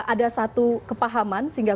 ada satu kepahaman sehingga